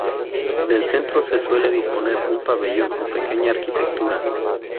En el centro se suele disponer un pabellón o pequeña arquitectura.